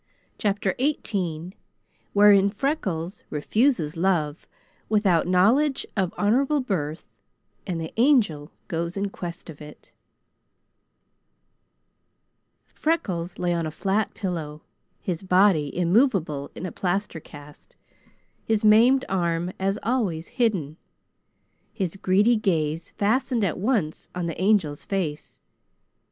CHAPTER XVIII Wherein Freckles refuses Love Without Knowledge of Honorable Birth, and the Angel Goes in Quest of it Freckles lay on a flat pillow, his body immovable in a plaster cast, his maimed arm, as always, hidden. His greedy gaze fastened at once on the Angel's face.